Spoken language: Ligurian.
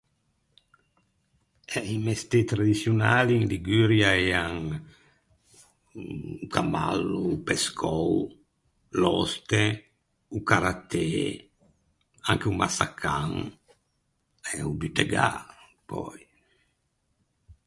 Eh i mestê tradiçionali in Liguria ean o camallo, o pescou, l’òste, o carattê, anche o massacan e o butegâ, pöi.